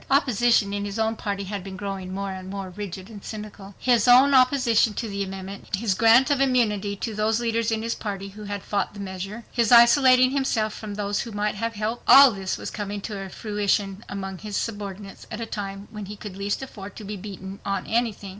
Opposition in his own party had been growing more and more rigid and cynical. His own opposition to the amendment, his grant of immunity to those leaders in his party who had fought the measure, his isolating himself from those who might have helped—all this was coming to fruition among his subordinates at a time when he could least afford to be beaten on anything.